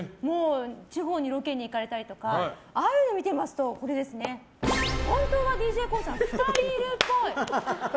地方にロケに行かれたりとかああいうの見ていますと本当はＤＪＫＯＯさん２人いるっぽい。